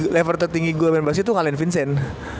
level tertinggi gue main basket tuh ngalahin vincent